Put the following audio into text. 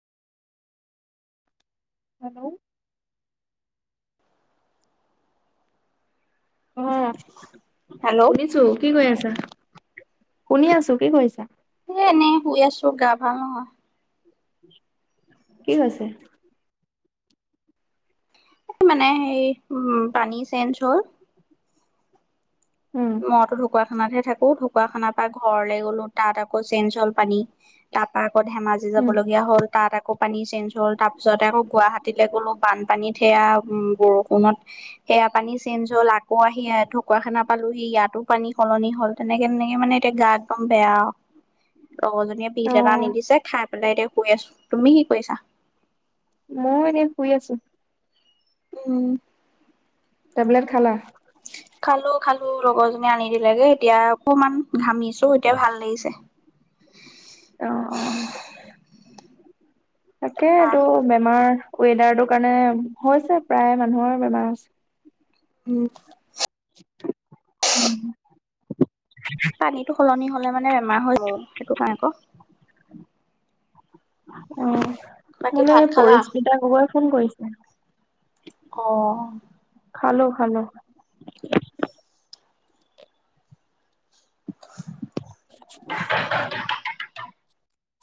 Hello. অ', hello শুনিছোঁ কি কৰি আছা? শুনি আছোঁ, কি কৰি আছা? এ, এনেই শুই আছো গা ভাল নহয়। কি হৈছে? মানে হে উম, পানী চেঞ্জ হ'ল। উম। মইতো ঢকুৱা খানাত হে থাকো। ঢকুৱা খানাৰ পৰা ঘৰলে গ'লো তাত আকৌ চেন্সজ হল পানী। তাৰপা আকৌ ধেমাজি যাব উম, লগীয়া হ'ল। তাত আকৌ পানী চেঞ্জ হ'ল তাৰ পিছত আকৌ গুৱাহাটীলৈ গ'লো বানপানী থেয়া বৰষুণত সেয়া পানী চেনজ হ'ল আকৌ আহি ঢকুৱাখানা পালোহি ইয়াতো পানী সলনি হ'ল তেনেকে- তেনেকে মানে এতিয়া গা একদম বেয়া। লগৰজনীয়ে পিল এটা আনি অ', দিছে। খাই পেলাই এতিয়া শুই আছো, তুমি কি কৰিছা? মোৰ এনে শুই আছো। উম। টেবলেট খালা? খালো-খালো লগৰজনী আনি দিলেগে এতিয়া অকমান ঘামিছো এতিয়া ভাল লাগিছে। অ', অ', পাহ তাকেতটো বেমাৰ ৱেডাৰ টোৰ কাৰণে হৈছে প্ৰায় মানুহৰ বেমাৰ হৈছে। উম। পানীটো সলনি হ'লে মানে বেমাৰ হৈ যায় সেইটো কাৰণে আকৌ। অ', বাকী ভাত মোলৈ খালা? পৰিস্মিতা গগৈয়ে ফোন কৰিছে। অঁ'। খালো খালো। [inaudible] [unintelligible]